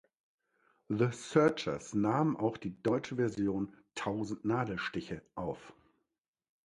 The Searchers nahmen auch die deutsche Version "Tausend Nadelstiche" auf.